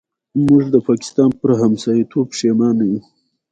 ازادي راډیو د کډوال د ارتقا لپاره نظرونه راټول کړي.